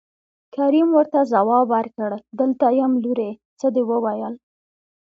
کريم ورته ځواب ورکړ دلته يم لورې څه دې وويل.